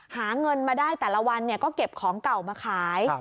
หาเงินมาได้แต่ละวันก็เก็บของเก่ามาขาย